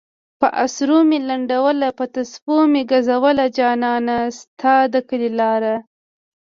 پہ اسرو میی لنڈولہ پہ تسپو میی گزولہ جانہ! ستا د کلی لارہ